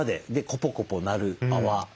コポコポなる泡。